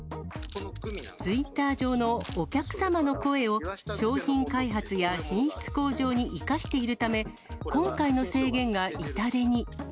ツイッター上のお客様の声を、商品開発や品質向上に生かしているため、今回の制限が痛手に。